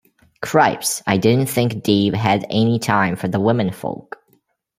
Cripes, I didn't think Dave had any time for the womenfolk!